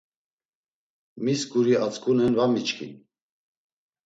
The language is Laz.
Mis guri atzǩunen var miçkin?